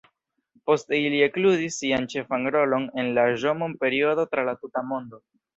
Poste ili ekludis sian ĉefan rolon en la Ĵomon-periodo tra la tuta lando.